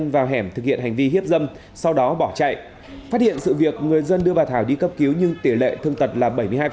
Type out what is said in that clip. phát hiện sự việc người dân đưa bà thảo đi cấp cứu nhưng tỉ lệ thương tật là bảy mươi hai